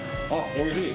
おいしい。